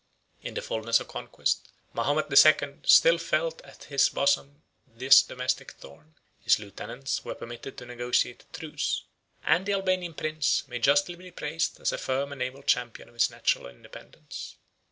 42 In the fulness of conquest, Mahomet the Second still felt at his bosom this domestic thorn: his lieutenants were permitted to negotiate a truce; and the Albanian prince may justly be praised as a firm and able champion of his national independence.